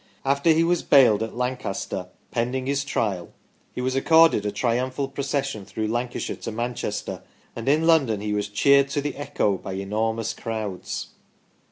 After he was bailed at Lancaster, pending his trial, he was accorded a triumphal procession through Lancashire to Manchester, and in London he was cheered to the echo by enormous crowds.